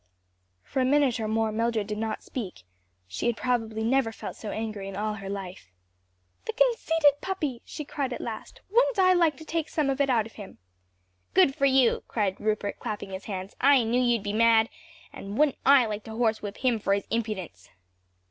For a minute or more Mildred did not speak; she had probably never felt so angry in all her life. "The conceited puppy!" she cried at last, "wouldn't I like to take some of it out of him!" "Good for you!" cried Rupert clapping his hands. "I knew you'd be mad. And wouldn't I like to horsewhip him for his impudence?"